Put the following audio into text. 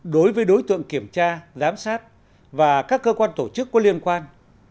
đối với đối tượng kiểm tra giám sát và các cơ quan tổ chức có liên quan